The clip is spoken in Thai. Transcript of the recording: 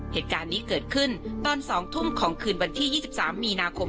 เหตุการณ์นี้เกิดขึ้นตอนสองทุ่มของคืนวันที่ยี่สิบสามมีนาคม